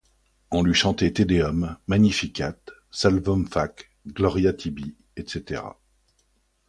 On lui chantait Te Deum, Magnificat, Salvum fac, Gloria tibi, etc.